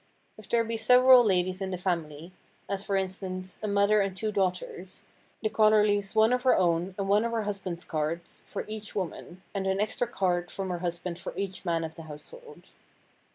If there be several ladies in the family, as for instance, a mother and two daughters, the caller leaves one of her own and one of her husband's cards for each woman, and an extra card from her husband for each man of the household.